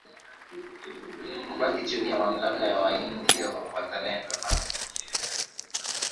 kubaki chini ya mamlaka ya Waindio wazalendo na